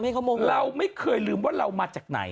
เราไม่เคยลืมว่าเรามาจากไหน